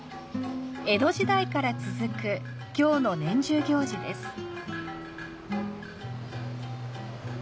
江戸時代から続く京の年中行事です。